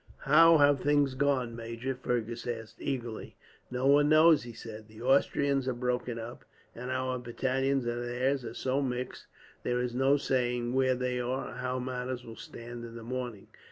"How have things gone, major?" Fergus asked eagerly. "No one knows," he said. "The Austrians are broken up; and our battalions and theirs are so mixed that there is no saying where they are, or how matters will stand in the morning.